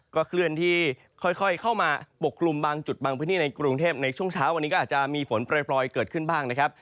เคลื่อนที่ค่อยเข้ามาปกคลุมบางจุดบางพื้นที่ในกรุงเทพในช่วงเช้าวันนี้ก็อาจจะมีฝนปล่อยเกิดขึ้นบ้างนะครับ